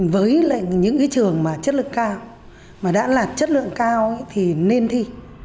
với lại những cái trường mà chất lượng cao mà đã là chất lượng cao thì nên thi